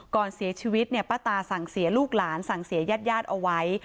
ก่อนเสียชีวิตเนี่ยป้าตาสั่งเสียลูกหลานสั่งเสียญาติเอาไว้